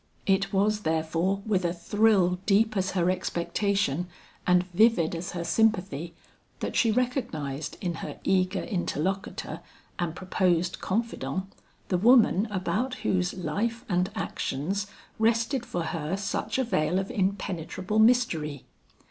It was therefore with a thrill deep as her expectation and vivid as her sympathy, that she recognized in her eager interlocutor and proposed confident, the woman about whose life and actions rested for her such a veil of impenetrable mystery.